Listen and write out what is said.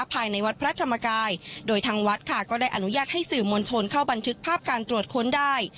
ภายในวัดพระธรรมกายโดยทางวัดค่ะก็ได้อนุญาตให้สื่อมวลชนเข้าบันทึกภาพการตรวจค้นได้